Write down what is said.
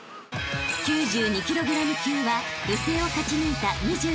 ［９２ｋｇ級は予選を勝ち抜いた２４人の対決］